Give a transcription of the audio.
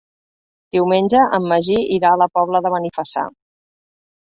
Diumenge en Magí irà a la Pobla de Benifassà.